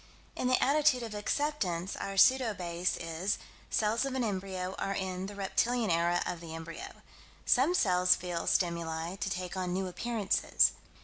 In the attitude of Acceptance, our pseudo base is: Cells of an embryo are in the reptilian era of the embryo; Some cells feel stimuli to take on new appearances.